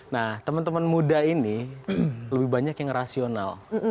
nah teman teman muda ini lebih banyak yang rasional